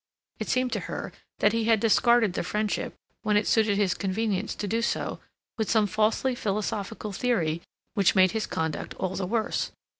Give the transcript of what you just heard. It seemed to her that he had discarded the friendship, when it suited his convenience to do so, with some falsely philosophical theory which made his conduct all the worse.